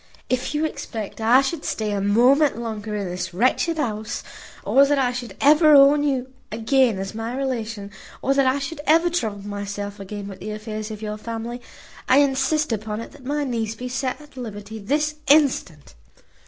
If you expect I should stay a moment longer in this wretched house, or that I should ever own you again as my relation, or that I should ever trouble myself again with the affairs of your family, I insist upon it that my niece be set at liberty this instant."